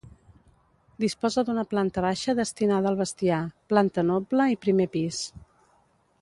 Disposa d'una planta baixa destinada al bestiar, planta noble i primer pis.